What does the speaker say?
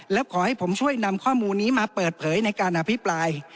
แล้วขอให้ผมช่วยนำข้อมูลนี้มาเปิดเผยในการอภิปราย